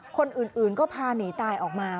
คนอื่นก็พาหนีตายออกมา